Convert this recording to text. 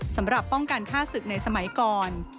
สำหรับป้องกันฆ่าศึกในสมัยก่อน